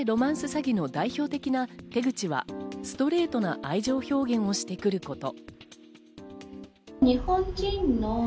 詐欺の代表的な手口は、ストレートな愛情表現をしてくること。